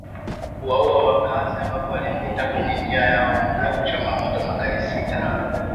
kuwaua wakaazi ambapo walipita kwenye njia yao na kuchoma moto magari sita